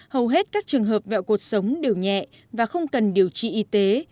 hầu hết các trường hợp vẹo cuộc sống đều nhẹ và không cần điều trị y tế